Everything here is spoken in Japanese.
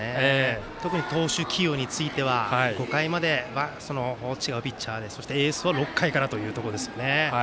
特に投手起用、５回までは違うピッチャーでそしてエースを６回からというところですよね。